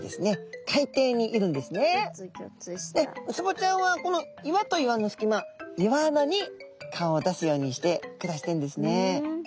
でウツボちゃんはこの岩と岩の隙間岩穴に顔を出すようにして暮らしてるんですね。